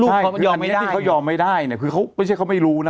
ลูกเขายอมไม่ได้เขายอมไม่ได้เนี้ยคือเขาไม่ใช่เขาไม่รู้น่ะ